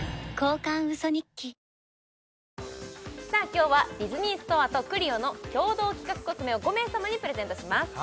今日はディズニーストアとＣＬＩＯの共同企画コスメを５名様にプレゼントします